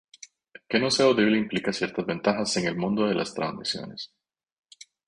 Que no sea audible implica ciertas ventajas en el mundo de las transmisiones.